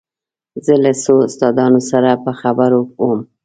زه له څو استادانو سره په خبرو وم.